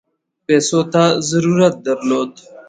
پیسو ته ضرورت درلود.